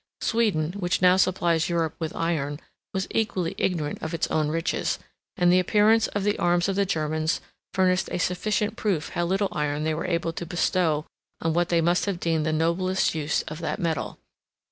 Sweden, which now supplies Europe with iron, was equally ignorant of its own riches; and the appearance of the arms of the Germans furnished a sufficient proof how little iron they were able to bestow on what they must have deemed the noblest use of that metal.